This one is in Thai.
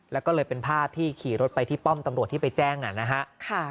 แล้วก็เลยเป็นภาพที่ขี่รถไปที่ป้อมตำรวจที่ไปแจ้งนะฮะ